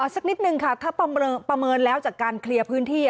สักนิดนึงค่ะถ้าประเมินแล้วจากการเคลียร์พื้นที่